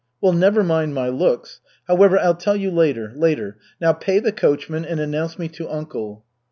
Well, never mind my looks. However, I'll tell you later later. Now pay the coachman and announce me to uncle."